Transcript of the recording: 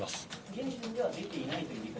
現時点では出ていないという？